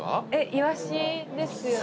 イワシですよね。